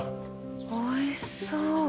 おいしそう！